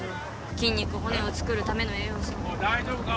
筋肉骨をつくるための栄養素おい大丈夫か？